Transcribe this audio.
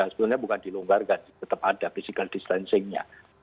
sebenarnya bukan dilonggarkan tetap ada physical distancingnya